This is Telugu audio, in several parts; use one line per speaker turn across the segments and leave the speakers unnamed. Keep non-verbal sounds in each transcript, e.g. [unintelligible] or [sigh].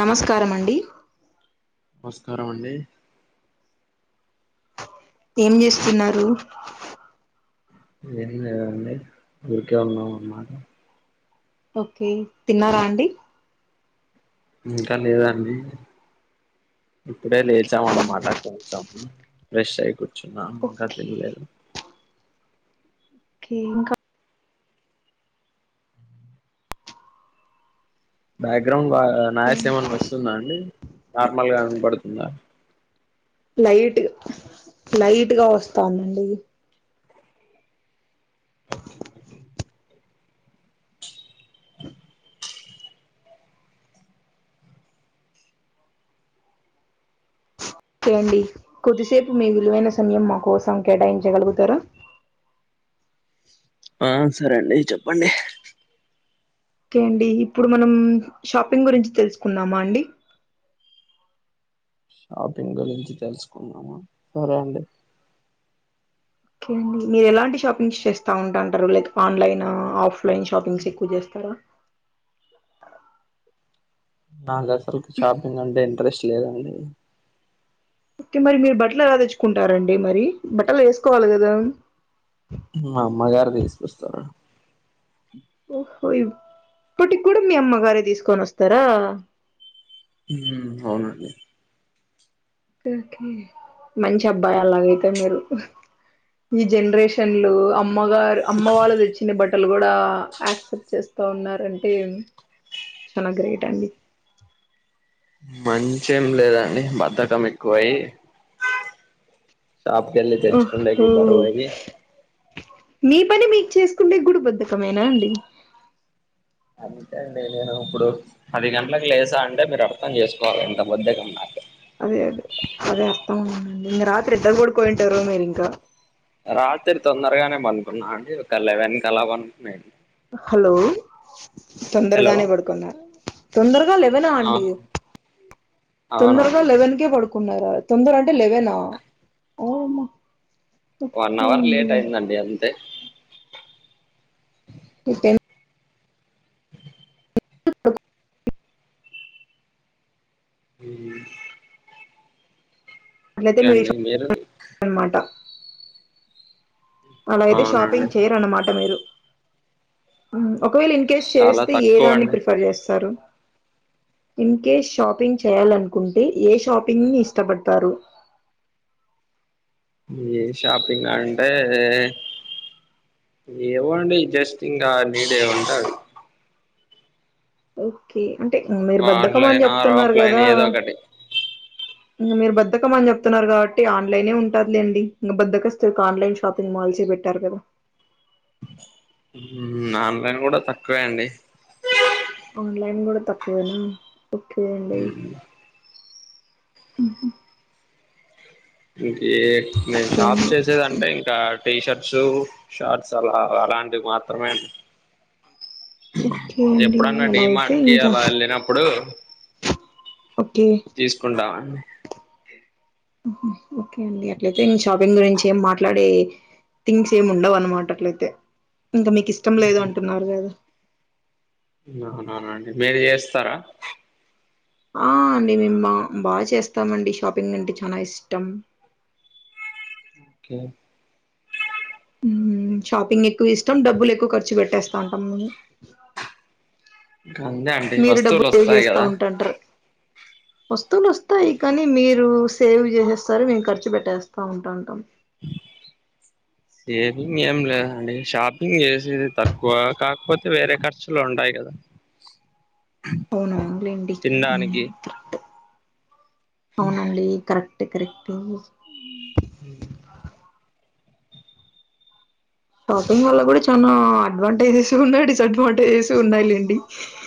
నమస్కారం అండి
నమస్కారం అండి
ఏం చేస్తున్నారు
ఏం లేదు అండి, ఊరికే ఉన్నా అమాట
ఓకే తిన్నారా అండి
ఇంకా లేదండి ఇప్పుడే లేచాం అన్నమాట ఫ్రెష్ అయి కూర్చున్నా ఇంకా
ఓకే
తినలేదు
ఓకే ఇంకా
బ్యాక్గ్రౌండ్ బాగా
ఓకే
నాయిస్ ఎమైనా వస్తుందా అండి నార్మల్గా వినపడుతుందా
లైట్ లైట్గా వస్తాంది అండి
ఓకే ఓకే
చేడి కొద్దిసేపు మీ విలువైన సమయం మా కోసం కేటాయించగలుగుతారా
ఆ సరే అండి చెప్పండి
ఓకే అండి ఇప్పుడు మనం షాపింగ్ గురించి తెలుసుకుందమ అండి
షాపింగ్ గురించి తెలుసుకున్నామ సరే అండి
కే అండి మీరు ఎలాంటి షాపింగ్స్ చేస్తా ఉంటాంటారు లైక్ ఆన్లైన్ ఆఫ్లైన్ ఆలైన్ షాపింగ్స్ ఎక్కువ చేస్తారా
నాకు అసలుకి షాపింగ్ అంటే ఇంట్రెస్ట్ లేదండి
ఓకే మరి మీరు బట్టలు ఎలా తెచ్చుకుంటారండి మరి బట్టలు వేసుకోవాలి కదా
అమ్మగారు తీసుకుస్తారు
ఓహో ఇప్పటికి కూడా మీ అమ్మగారే తీసుకొని వస్తారా
అవునండి
మంచి అబ్బాయి అలాగైతే మీరు ఈ జనరేషన్లు అమ్మగారు అమ్మ వాళ్ళు తెచ్చిన బట్ట అక్కలు కూడా యాక్సెప్ట్ చేస్తా ఉన్నారంటే చానా గ్రేట్ అండి
మంచెం లేదండి బధకం ఎక్కువయి షాప్కిళ్లి
ఓహో
తెచ్చకంగి బరువై
మీ పని మీకు చేసుకుంటే గుడి బధకెమేనా అండి
ండి నేను ఇప్పుడు పది గంటలకు లేసా అంటే మీరు అర్థం చేసుకోవాలి ఇంత బద్దగా నాక
అదే అదే అదే వస్తాండి రాత్రి ఇద్దరు కూడాడి పోయింటారు మీరి ఇంకా
రాత్రి తొందరగానే పనుకున్నా అండి ఒక ఎలెవన్ కలా పనుకున్నా
హలో
హలో
తొందరగానే పడుకున్నారు తొందరగా లెవెన్ ఆ అండి తొందరగా
అవునండి
లెవెన్ కే పడుకు న్నా తొందర అంటే లేవేనా
వన్ అవర్ లేట్ అయిందండి అంతే
తే స
అ
అట్లయితే మీరు [unintelligible] అనమాట అలా అయితే
అవునండి
షాపింగ్ చేయరన్నమాట మీరు ఒకవేళ ఇన్ కేస్
చాలా
చేస్తే ఏ
తక్కువ
దాన్ని
అండి
ప్రిఫర్ చేస్తారు ఇన్ కేేస్ షాపింగ్ చేయాలనుకుంటే ఏ షాపింగ్ ని ఇష్టపడతారు
ఏ షాపింగ్ ఆ అంటే ఏవో అండి జస్ట్ ఇకా నీడేవంట
ఓకే అంటే మీరు బద్దకమని
ఆన్లైన్ ఆర్
చెప్తున్నారు
ఆఫ్లైన్
కదా
ఏదో ఒకటి
ఇంక మీరు బద్దకమని చెప్తున్నారు కాబట్టి ఆన్లైనే ఉంటదిలేండి, ఇక బద్దకస్తులకి ఆన్లైన్ షాపింగ్ మాల్సే బె అంటారు కదా
ఉ ఆన్లైన్ కూడా తక్కువే అండి
ఆన్లైన్ కూడా తక్కువేనా ఓకే అండి ఉహు
ఇంకి నేను
ఓకే
షాప్
అండి
చేసేదింటే ఇంకా టీ షర్ట్ సు షర్ట్స్ ఆలా అలాంటివి మాత్రమే
ఓకే అండి
ఎప్పుడన్నా
అలా అయితే
డిమాార్టికి
ఇంకా
అలా వెళ్ళినప్పుడు
ఓకే
తీసుకుంటామండి
ఉహు ఓకే అండి అట్లయితే ఇంగ్ షాపింగ్ గురించి ఏం మాట్లాడే థింగ్స్ ఏమి ఉండవనుమాట అట్లాయితే ఇంకా మీకు ఇష్టం లేదు అంటున్నారు కదా.
ఆహాహా అండి మీరు చేస్తారా
ఆ అండి మేము బా బాగా చేస్తామండి షాపింగ్ అంటే చానా ఇష్టం.
ఓకే
ఉమ్ షాపింగ్ ఎక్కువ ఇష్టం డబ్బులు ఎక్కువ ఖర్చు పెట్టేస్తాంటాం మేము.
ఇంకా అంతే అండి
మీరు
వస్తువులు
డబ్బులు సేవ్
వస్తాయి
చేస్తా
కదా
ఉంటుంటారు వస్తువులు వస్తాయి కానీ మీరు సేవ్ చేసేస్తారు మేము ఖర్చు పెట్టేస్తా ఉంటాంటాం.
[inaudible] షేవింగ్ ఏం లేదండి షాపింగ్ చేసేది తక్కువ కాకపోతే వేరే ఖర్చులు ఉంటాయి కదా. [inaudible]
అవును అవునులెండి ఉ
తినడానికి
అవునండి కరెక్ట్ కరెక్టు
[inaudible]
షాపింగ్ వల్ల కూడా చానా అడ్వాంటేజెస్ ఉన్నాయి డిసడ్వాంటేజెస్ ఉన్నాయిలేండి.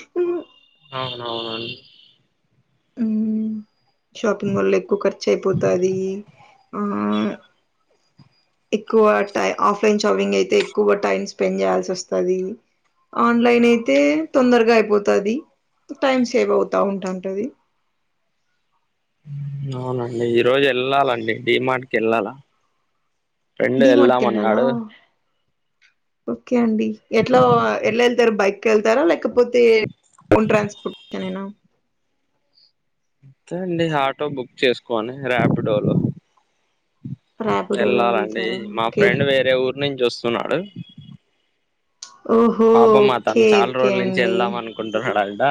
[inaudible] అవునవునండి
మ్మ్ షాపింగ్ వల్ల ఎక్కువ ఖర్చు అయిపోతది ఆ ఎక్కువ టై ఆఫ్లైన్ షాపింగ్ అయితే ఎక్కువ టైమ్ స్పెండ్ చేయాల్సి వస్తాది. ఆన్లైన్ అయితే తొందరగా అయిపోతది టైమ్ సేవ్ అవుతా ఉంటాంటది
[inaudible] ఉమ్ అవునండి ఈ రోజు వెళ్ళాలండి డిమార్ట్కి వెళ్ళాలా. ఫ్రెండు
డిమార్ట్
వెళదాం
కెళ్ళాలా
అంటున్నాడు
ఓకే అండి ఎట్లో ఎలా వెళ్తారు బైక్కి వెళ్తారా ల్యాకా పోతే ఓన్ ట్రాన్స్ఫార్ట్ టేనా
అంతే అండి ఆటో బుక్ చేసుకోని ర్యాపిడోలో
రాపిడోలో
వెళ్లాలండి
వెళ్తారా
మా
ఓకే
ఫ్రెండ్ వేరే ఊరు నుంచి వస్తున్నాడు.
ఓహో
పాపం అతను
ఓకే
చాలా
ఓకే
రోజుల నుంచి
అండి
వెళ్దాం అనుకుంటున్నాడంట.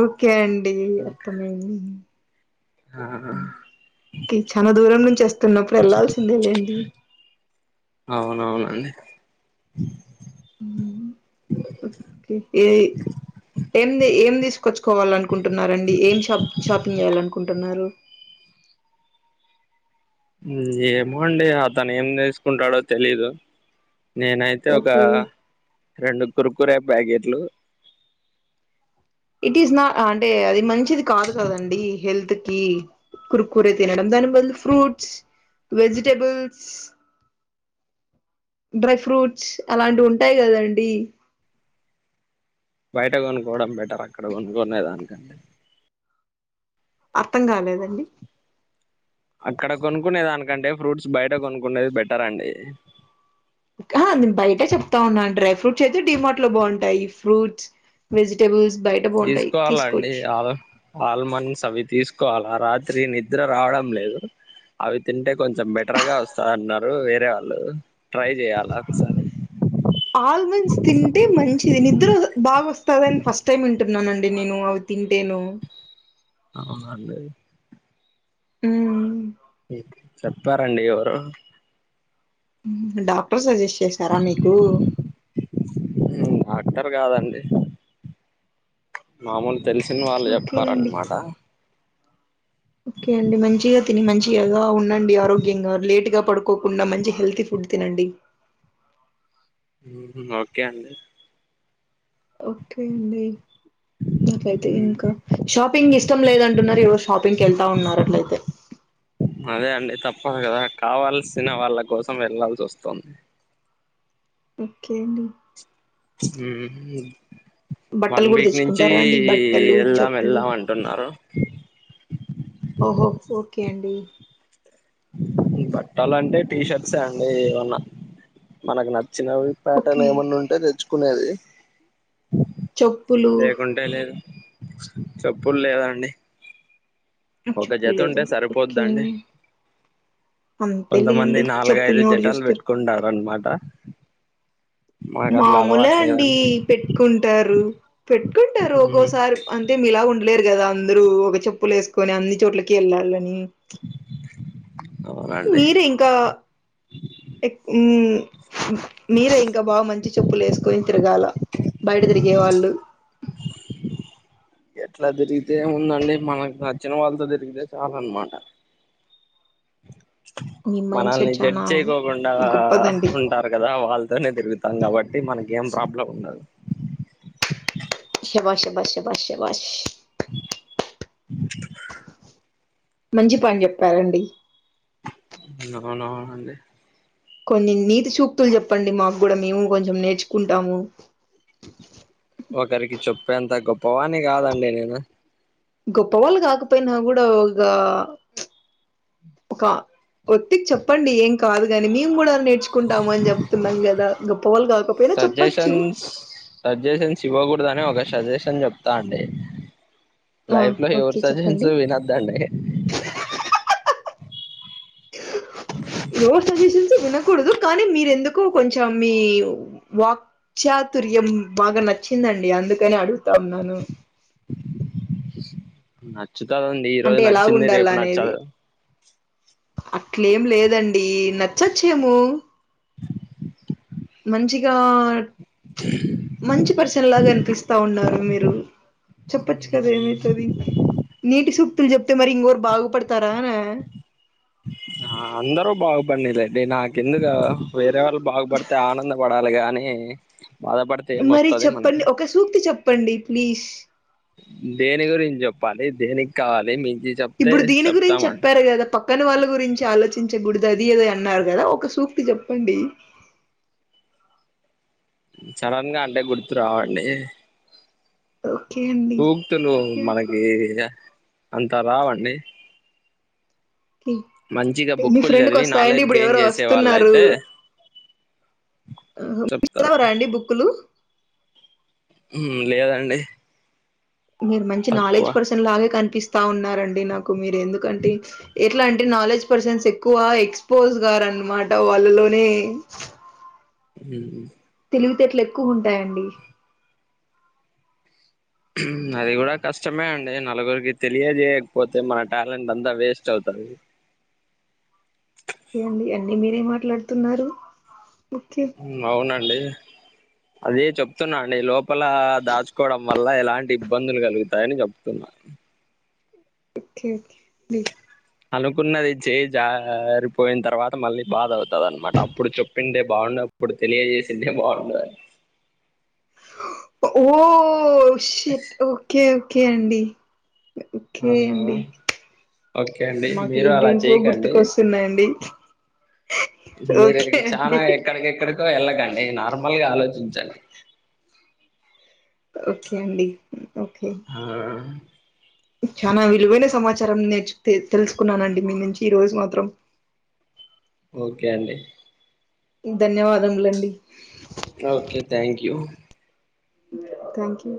ఓకే అండి అర్థమయింది
ఆ
కి చాలా దూరం నుంచి వస్త్ తన్నప్పుడు వెళ్లాల్సిందే లేండి
అవునవునండి [inaudible]
ఉహు ఓకే ఏ ఏంది ఏం తీసుకొచ్చుకోవాలి అనుకుంటున్నండి ఏం షాప్ షాపింగ్ చేయాలనుకుంటున్నారు.
మ్ ఏమోండి అతను ఏం తీసుకుంటాడో తెలీదు నేనైతే ఒకా
ఓకే
రెండు కురుకురే ప్యాకీటు లు
ఇట్ ఈస్ నా అంటే అది మంచిది కాదు కదండి హెల్త్ కీ కుర్ కురే తినడం దాని బదులు ఫ్రూట్స్ వెజిటేబల్స్ డ్రై ఫ్రూట్స్ అలాంటివి ఉంటాయి కదండి
బయట కొనుక్కవడం బెటర్ అక్కడ కొనుక్కొనే దానికంటే
అర్థం కాలేదండి
అక్కడ కొనుక్కునే దానికంటే ఫ్రూట్స్ బయట కొనుక్కునేది బెటర్ అండి
ఆ! నేను బయటే చెప్తా ఉన్నాను. డ్రై ఫ్రూట్స్ అయితే డిమార్ట్ లో బావుంటాయి ఫ్రూట్స్ వెజిటేబుల్స్
తీసుకోవాలండి ఆల్ ఆల్మండ్స్ అవి తీసుకో కోవాల రాత్రి నిద్ర రావడం లేదు అవి తింటే కొంచెం బెటర్గా వస్తాది అన్నారు వేరే వాళ్ళు ట్రై చేయాలా ఒకసారి
ఆల్మండ్స్ తింటే మంచి ఇది నిద్ర బాగ వస్తదని ఫస్ట్ టైమ్ వింటున్నానుండి నేను అవి తింటేను
అవునడి
మ్
చెప్పారండి ఎవరో
డాక్టర్ సజెస్ట్ చేసారా మీకు
డాక్టర్ కాదండి మామూలు తెలిసిన
ఓకే.
వాళ్ళు
ఓకేలేండి.
చెప్పారన్నమాట
ఓకే అండి మంచిగా తిని మంచి గఎలా ఉండండి ఆరోగ్యంగా లేట్ గా పడుకోకుండా మంచి హెల్తీ ఫుడ్ డ్ తినండి
ఓకే అండి
ఓకే అండి అట్లయితే ఇంకా షాపింగ్ ఇష్టం లేదంటున్నారు ఎవరో షాపింగ్కి వెళ్తా ఉన్నారు అట్లయితే
అదే అండి కదా కావల్సిన వాళ్ళ కోసం వెళ్లాాల్సి వస్తుంది
ఓకే అండి
మ్ హు మ్
బట్టలు
వన్
కూడా
వీక్ నుంచి
తెచ్చుకుంటారా అండి బట్టలు
వెళ్దాం
చెప్పులు
వెళ్దాం అంటున్నారు
ఓహో ఓకే అండి
బట్టలంటే టీ షర్ట్సే అండి ఏమన్నా మనకు నచ్చ చ్చినవి పేటర్న్
ఓకే
ఏమన్నా ఉంటే తెచ్చుకునేది
చెప్పులు
లేకుంటే లేదు చెప్పులు లేదా అండి
నాకు
ఒక
చెప్పులు
జత ఉంటే
లేదు ఓకే
సరిపోద్దాండి
అండి
కొంతమంది
అంతేలేండి
నాలుగైదు
చెప్పుల్ని ఎవరు
జతలు
చూస్తారు
పెట్టుకుంటారు అనమాట
మామూలే
అలవాటు
అండి
లేదండి
పెట్టుకుంటారు పెట్టుకుంటారు ఒక్కోసారి అంతే మీలా గ లేరు కదా అందరూ ఒక చెప్పులు ఏసుకొని అన్ని చోట్లకి వెళ్ళాలని
అవునండి
మీరే ఇంకాఎ మ్ మీరే ఇంకా బా మంచి చెప్పులు ఏసుకొని తిరగాల బయట తిరిగే వాళ్ళు
ఎట్లా తిరిగితే ఏం ఉందండి మనకు నచ్చిన వాళ్ళతో తిరిగితే చాలన్నమాట
మీ మైండ్
మనల్ని
సెట్
జడ్జ్
చానా
చేయకోకుండా
గొప్పదండి
ఉంటారు కదా వాళ్ళతోనే తిరుగుత కాబట్టి మనకి ఏం ప్రాబ్లం ఉండదు
శబాష్ శబాష్ శబాష్ శబాష్ మంచి పాని చెప్పారండి
అవునవును అండి
కొన్ని నీతి చూక్తులు చెప్పండి మాకు కూడా మేము కొంచెం నేర్చుకుంటాము
ఒకరికి చెప్పేంత గొప్పవాని కాదండి నేను
గొప్ప వాళ్ళు కాకపోయినా కూడా ఇగ ఒక ఒత్తికి చెప్పండి ఏం కాదు గాని మేము కూడా నేర్చుకుంటాము అని చెప్తున్నాం కదా గొప్ప వాళ్ళు కాకపోయినా చెప్పచ్చు
సజెషన్స్ సజెషన్స్ ఇవ్వకూడదని ఒక సజెషన్ చెప్తా అండి
ఆ
లైఫ్ లో ఎవరి
ఓకే
సజెషన్స్
చెప్పండి
వినదండి
నో సజెషన్స్ వినకూడదు కానీ మీరెందుకు కొంచెం మీ వాక్చాతుర్యం బాగా నచ్చిందండి అందుకనే అడుగుతాన్నాను
నచ్చుత ఉంది ఈ రోజు
అంటే ఎలా
నచ్చింది
ఉండాల
రేపు
అనేది
నచ్చదు
అట్లేం లేదండి నచ్చొచ్చేమో మంచిగా మంచి పర్సన్ లాగా అనిపిస్తా ఉన్నారు మీరు చెప్పచ్చు కదా ఏమయితది నీటి సు క్తులు చెప్తే మరి ఇంకోరు బాగుపడతారానా
ఆ అందరు బాగుపడని లేండి నా కిందుకు వేరే వాళ్ళు బాగుపడితే ఆనంద పడ పాలి గానీ
మరి చెప్పండి ఒక సూక్తి చెప్పండి ప్లీజ్
దేని గురించి చెప్పాలి దేనికి కావాలి మీ
ఇప్పుడు దీని గురించి చెప్పారు కదా ప క్కన వాళ్ళ గురించి ఆలోచించకూడదు అది అది అన్నారు కదా ఒక సూక్తి చెప్పండి
సడెన్గా అంటే గుర్తు రావండి
ఓకే అండి
సూక్తులు మనకి అంత రావండి మంచిగా
మీ
బుక్కులు
ఫ్రెండ్కి
చదివి
వస్తాయండి
నాలెడ్జ్
ఇప్పుడు
గెయిన్
ఎవరో
చేసే వాళ్ళు
వస్తున్నారు
అయితే చెప్తారు
చదవరా అండి బుక్కులు
లేదండి
మీరు మంచి నాలెడ్జ్
తక్కువ
పర్సన్ లాగే కనిపిస్తా ఉన్నారండి నాకు మీరు ఎందుకంటే ఎట్లా అంటే నాలెడ్జ్ పర్సన్స్ ఎక్కువ ఎక్స్పోజ్ గారు అనమాట వాళ్ళలోనే
హు
తెలివితేటలు ఎక్కువ ఉంటాయండి
అది కూడా కష్టమే అండి నలుగురికి తెలియజేయకపోతే మన టాలెంట్ అంతా వేస్ట్ అవుతు అది
ఏంది అండి మీరెం మాట్లాడుతున్నారు ఓకే
అవునండి అదే చెప్తున్నా అండి లోపల దాచుకోవడం వల్ల ఎలాంటి ఇబ్బందులు కలుగుతాయని చెప్తున్నా అ
ఓకే ఓకే బీ
అనుకున్నది చేయి జారిపోయిన తర్వాత మళ్ళీ బాధ అవుతది అనమాట అప్పుడు చెప్పిండే బాగుండు తెలియజేస్తుంటే బాగుండు
ఓ షట్ ఓకే ఓకే అండి ఓకే
ఆహా
అండి
ఓకే అండి
మాకు
మీరు అలా
ఏంటేంటివో
చేయకండి
గుర్తుకొస్తున్నాయండి
మీరు
ఓకే
చాలా
అండి
ఎక్కడికి ఎక్కడికి వెళ్ళకండి నార్మల్ గా ఆలోచించండి
ఓకే అండి
ఆ
చాలా విలువైన సమాచారం నేర్చు తెలుసుకున్నానండి మీ నుంచి ఈ రోజు మాత్రం
ఓకే అండి
ధన్యవాదములండి
okay thank you
thank you